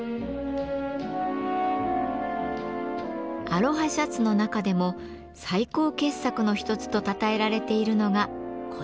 アロハシャツの中でも最高傑作の一つとたたえられているのがこちら。